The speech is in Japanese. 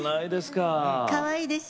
かわいいでしょ？